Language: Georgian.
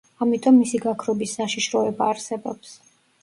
ამიტომ მისი გაქრობის საშიშროება არსებობს.